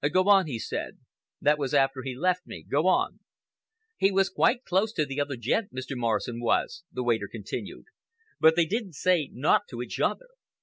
"Go on," he said. "That was after he left me. Go on." "He was quite close to the other gent, Mr. Morrison was," the waiter continued, "but they didn't say nowt to each other.